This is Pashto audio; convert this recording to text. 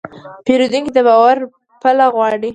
پیرودونکی د باور پله غواړي.